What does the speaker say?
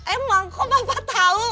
emang kok papa tau